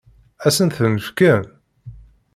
Ad sen-ten-fken?